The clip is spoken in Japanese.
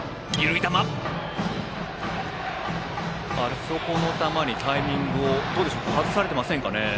あそこの球にタイミングを外されていませんかね。